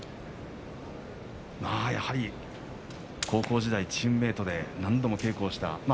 やはり高校時代チームメートで何度も稽古をした。